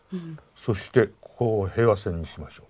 そしてここを平和線にしましょうと。